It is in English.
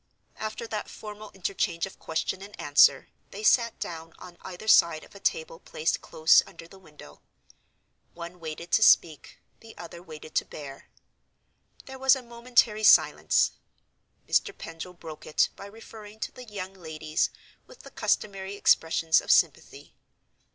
After that formal interchange of question and answer, they sat down on either side of a table placed close under the window. One waited to speak, the other waited to hear. There was a momentary silence. Mr. Pendril broke it by referring to the young ladies, with the customary expressions of sympathy.